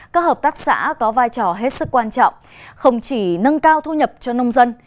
các hợp tác xã có vai trò hết sức quan trọng không chỉ nâng cao thu nhập cho nông dân